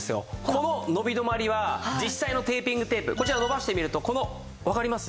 この伸び止まりは実際のテーピングテープこちらを伸ばしてみるとこのわかります？